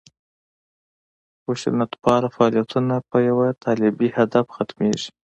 خشونتپاله فعالیتونه په یوه طالبي هدف ختمېږي.